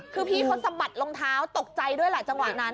คือพี่เขาสะบัดรองเท้าตกใจด้วยแหละจังหวะนั้น